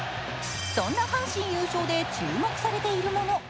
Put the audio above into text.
そんな阪神優勝で注目されているもの。